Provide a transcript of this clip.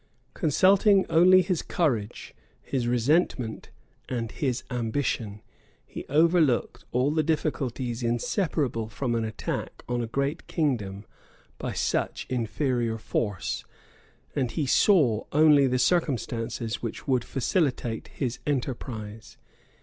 Consulting only his courage, his resentment, and his ambition, he overlooked all the difficulties inseparable from an attack on a great kingdom by such inferior force, and he saw only the circumstances which would facilitate his enterprise.